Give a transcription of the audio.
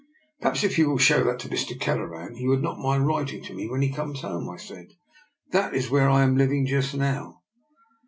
" Perhaps if you will show that to Mr. Kelleran he would not mind writing to me when he comes home," I said. " That is where I am living just now."